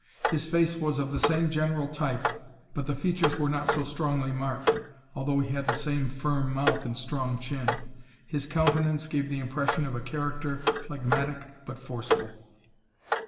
His face was of the same general type, but the features were not so strongly marked, although he had the same firm mouth and strong chin. His countenance gave the impression of a character phlegmatic but forceful.